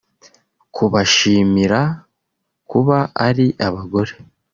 kubashimira kuba ari abagore